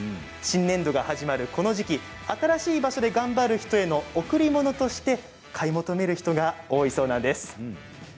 新年度が始まるこの時期新しい場所で頑張る人への贈り物として買い求める人が多いそうなんです。